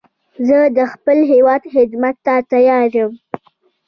زه د خپل هېواد خدمت ته تیار یم